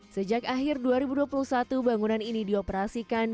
sejak akhir dua ribu dua puluh satu bangunan ini dioperasikan